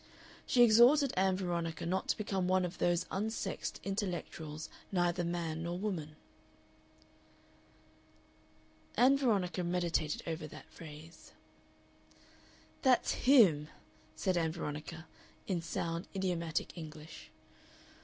She exhorted Ann Veronica not to become one of "those unsexed intellectuals, neither man nor woman." Ann Veronica meditated over that phrase. "That's HIM," said Ann Veronica, in sound, idiomatic English.